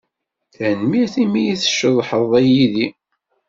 Tanemmirt imi ay tceḍḥeḍ yid-i.